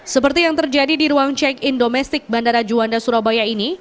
seperti yang terjadi di ruang check in domestik bandara juanda surabaya ini